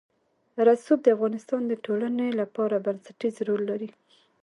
رسوب د افغانستان د ټولنې لپاره بنسټيز رول لري.